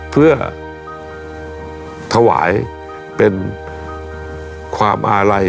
เพื่อถวายเป็นความอาลัย